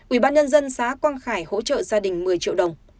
ủy ban nhân dân xã quang khải hỗ trợ gia đình một mươi triệu đồng